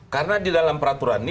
karena di dalam peraturan ini